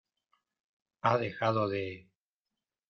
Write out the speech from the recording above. ha dejado de...